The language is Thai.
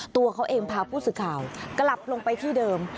ตัวเขาเองพาผู้สื่อข่าวกลับลงไปที่เดิม